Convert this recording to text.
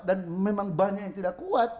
dan memang banyak yang tidak kuat